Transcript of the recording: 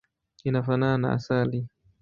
Inafanana na asali.